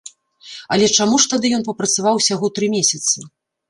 Але чаму ж тады ён папрацаваў ўсяго тры месяцы?